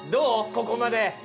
ここまで。